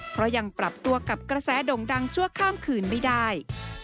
เพราะยังปรับตัวกับกระแสด่งดังชั่วข้ามคืนไม่ได้